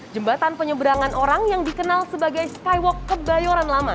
jembatan penyeberangan orang yang dikenal sebagai skywalk kebayoran lama